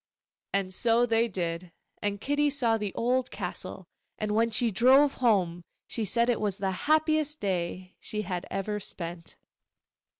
And so they did; and Kitty saw the old castle, and when she drove home she said it was the happiest day she had ever spent.